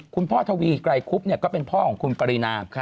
คุณพ่อทวิไกลคุพก็เป็นพ่อของคุณตรีนา